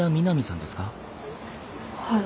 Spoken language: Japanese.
はい。